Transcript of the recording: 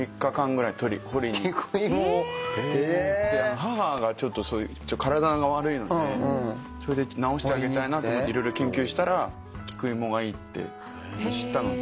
母がちょっと体が悪いので治してあげたいなと思って色々研究したら菊芋がいいって知ったので。